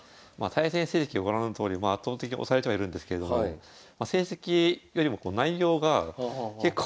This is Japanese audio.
対戦成績はご覧のとおり圧倒的押されてはいるんですけれども成績よりも内容が結構。